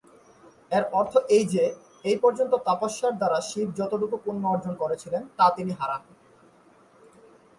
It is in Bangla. এর অর্থ এই যে, এই পর্যন্ত তপস্যার দ্বারা শিব যতটুকু পুণ্য অর্জন করেছিলেন তা তিনি হারান।